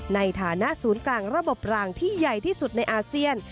ในฐานะศูนย์กลางระบบรางที่ใหญ่ที่สุดในอาเซียน